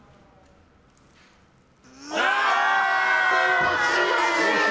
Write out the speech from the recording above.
惜しい！